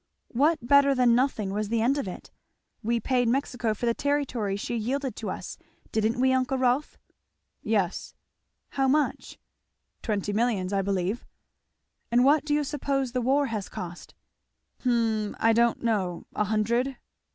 "What better than nothing was the end of it? We paid Mexico for the territory she yielded to us, didn't we, uncle Rolf?" "Yes." "How much?" "Twenty millions, I believe." "And what do you suppose the war has cost?" "Hum I don't know, a hundred."